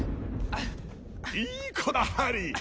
いい子だハリー！